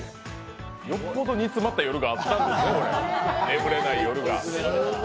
よっぽど煮詰まった夜があったんですね、眠れない夜が。